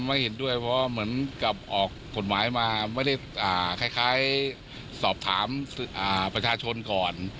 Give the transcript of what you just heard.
ไม่เห็นด้วยเพราะว่าเหมือนกับออกกฎหมายมาไม่ได้คล้ายสอบถามประชาชนก่อน